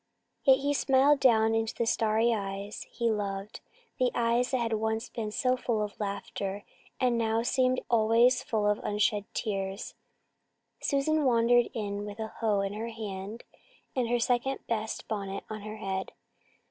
Yet he smiled down into the starry eyes he loved the eyes that had once been so full of laughter, and now seemed always full of unshed tears. Susan wandered by with a hoe in her hand and her second best bonnet on her head.